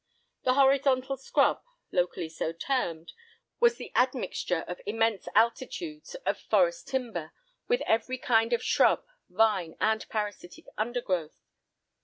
The "horizontal scrub," locally so termed, was the admixture of immense altitudes of forest timber, with every kind of shrub, vine, and parasitic undergrowth.